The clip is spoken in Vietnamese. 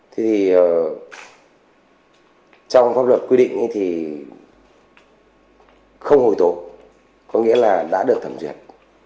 thì trong pháp luật quy định thì không hồi tố có nghĩa là đã được thẩm duyệt